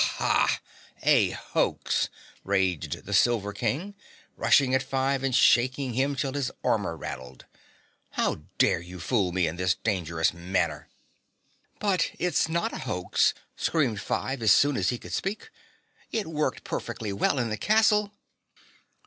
"HAH! A hoax!" raged the Silver King, rushing at Five and shaking him till his armor rattled. "How dare you fool me in this dangerous manner?" "But it's not a hoax," screamed Five as soon as he could speak. "It worked perfectly well in the castle."